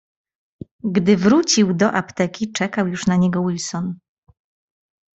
"Gdy wrócił do apteki, czekał już na niego Wilson."